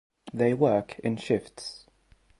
They work in shifts.